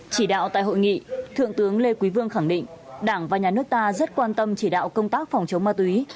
chỉ đạo tại hội nghị thượng tướng lê quý vương khẳng định đảng và nhà nước ta rất quan tâm chỉ đạo công tác phòng chống ma túy